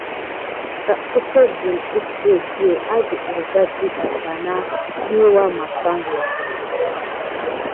Sogue def kegué ka si agute wuza dida bana dit amasan.